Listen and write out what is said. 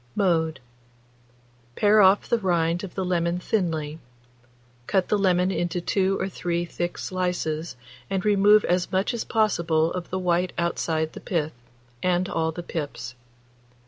Mode. Pare off the rind of the lemon thinly; cut the lemon into 2 or 3 thick slices, and remove as much as possible of the white outside pith, and all the pips.